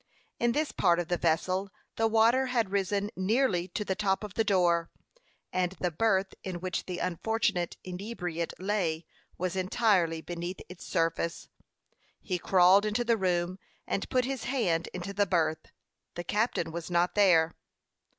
In this part of the vessel the water had risen nearly to the top of the door, and the berth in which the unfortunate inebriate lay was entirely beneath its surface. He crawled into the room, and put his hand into the berth. The captain was not there.